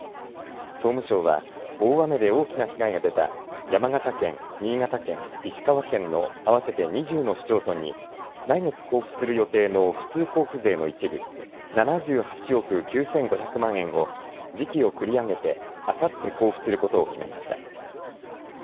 総務省は大雨で大きな被害が出た山形県、新潟県、石川県の合わせて２０の市町村に来月交付する予定の普通交付税の一部、７８億９５００万円を時期を繰り上げてあさって交付することを決めました。